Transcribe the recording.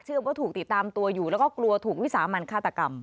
ว่าถูกติดตามตัวอยู่แล้วก็กลัวถูกวิสามันฆาตกรรม